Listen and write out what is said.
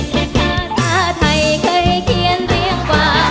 ภาษาไทยเคยเขียนเรียกว่า